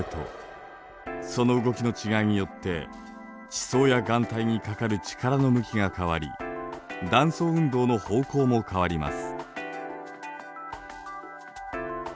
その動きの違いによって地層や岩体にかかる力の向きが変わり断層運動の方向も変わります。